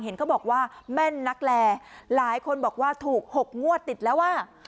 เขาบอกว่าแม่นนักแลหลายคนบอกว่าถูก๖งวดติดแล้วว่า